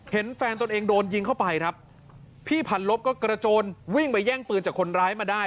เห็นแฟนตนเองโดนยิงเข้าไปครับพี่พันลบก็กระโจนวิ่งไปแย่งปืนจากคนร้ายมาได้